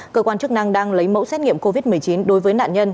cơ quan chức năng đang lấy mẫu xét nghiệm covid một mươi chín đối với nạn nhân